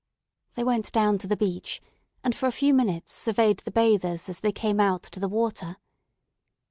They went down to the beach, and for a few minutes surveyed the bathers as they came out to the water.